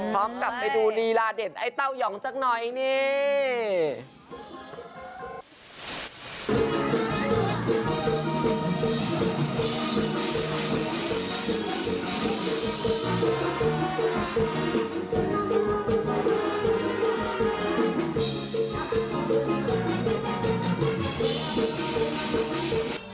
พร้อมกลับไปดูรีลาเด็ดไอ้เต้ายองจักหน่อยเนี่ย